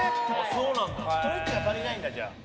ストレッチが足りないんだじゃあ。